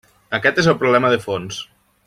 Aquest és el problema de fons.